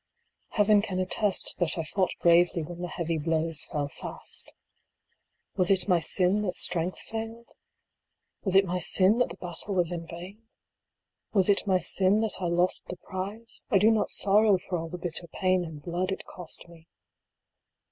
Heaven can attest that I fought bravely when the heavy blows fell fast Was it my sin that strength failed ? Was it my sin that the battle was in vain ? Was it my sin that I lost the prize ? I do not sorrow for all the bitter pain and blood it cost me.